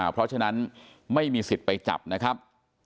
เพราะฉะนั้นไม่มีสิทธิ์ไปจับนะครับ